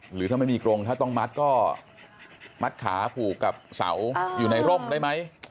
หรือถ้าไม่มีกรงถ้าต้องมัดก็มัดขาผูกกับเสาอยู่ในร่มได้ไหม